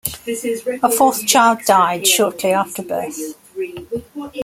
A fourth child died shortly after birth.